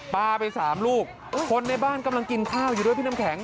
ไป๓ลูกคนในบ้านกำลังกินข้าวอยู่ด้วยพี่น้ำแข็ง